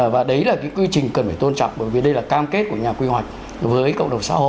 và đấy là cái quy trình cần phải tôn trọng bởi vì đây là cam kết của nhà quy hoạch với cộng đồng xã hội